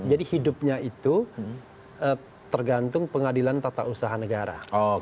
jadi hidupnya itu tergantung pengadilan tata usaha negara